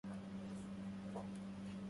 لماذا يتوجب عليك فعل ذلك؟